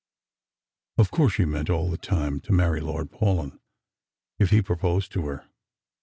" Of course she meant all the time to marry Lord Paulyn, if he proposed to her.